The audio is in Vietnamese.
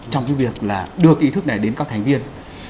trong việc đưa ý thức này đến các thành viên